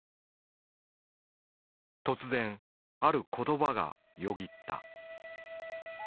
突然ある言葉がよぎった。